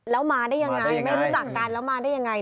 แล้วมาได้ยังไงมันมาได้ยังไง